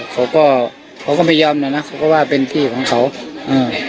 เขาก็เขาก็พยายามน่ะนะเขาก็ว่าเป็นที่ของเขาอืม